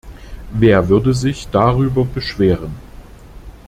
Wer würde sich darüber beschweren?